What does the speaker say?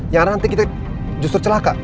yang nanti kita justru celaka